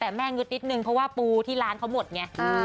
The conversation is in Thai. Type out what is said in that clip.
แต่แม่งึดนิดนึงเพราะว่าปูที่ร้านเขาหมดไง